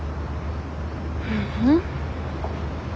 ううん。